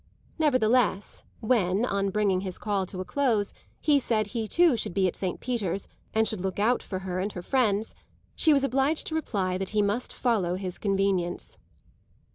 Nevertheless, when, on bringing his call to a close, he said he too should be at Saint Peter's and should look out for her and her friends, she was obliged to reply that he must follow his convenience.